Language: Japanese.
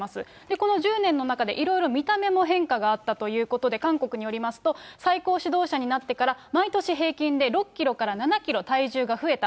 この１０年の中で、いろいろ見た目も変化があったということで、韓国によりますと、最高指導者になってから毎年平均で６キロから７キロ、体重が増えた。